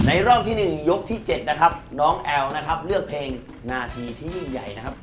รอบที่๑ยกที่๗นะครับน้องแอลนะครับเลือกเพลงนาทีที่ยิ่งใหญ่นะครับ